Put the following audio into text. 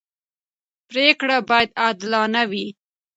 پرېکړې باید عادلانه وي